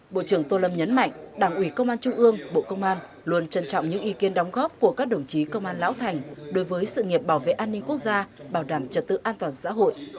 bộ trưởng tô lâm nhấn mạnh đảng ủy công an trung ương bộ công an luôn trân trọng những ý kiến đóng góp của các đồng chí công an lão thành đối với sự nghiệp bảo vệ an ninh quốc gia bảo đảm trật tự an toàn xã hội